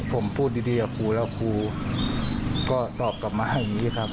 ผมพูดดีกับครูแล้วครูก็ตอบกลับมาให้อย่างนี้ครับ